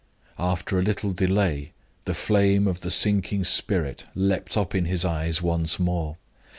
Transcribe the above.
After a little delay, the flame of the sinking spirit leaped up in his eyes once more.